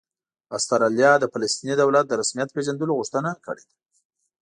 استرالیا د فلسطیني دولت د رسمیت پېژندلو غوښتنه کړې ده